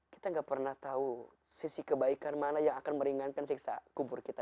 kita gak pernah tahu sisi kebaikan mana yang akan meringankan siksa kubur kita